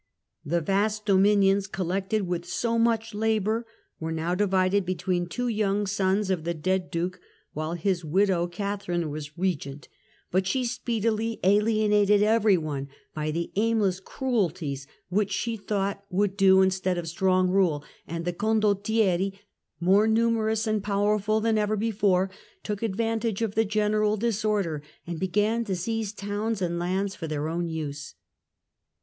The vast dominions, collected with so much labour, Gian Maria were now divided between two young sons of the dead mS^ '^^^ Duke, while his widow Catherine was Regent, but she 1402 12 192 THE END OF THE MIDDLE AGE speedily alienated everyone by the aimless cruelties which she thought would do instead of strong rule, and the condottieri, more numerous and powerful than ever before, took advantage of the general disorder and began to seize towns and lands for their own use.